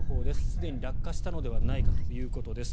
すでに落下したのではないかということです。